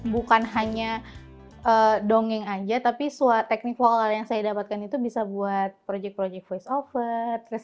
bukan hanya dongeng aja tapi teknik vokal yang saya dapatkan itu bisa buat proyek proyek voice over